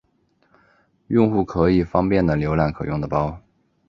用户可以方便的浏览可用的包。